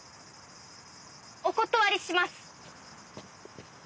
お断りします。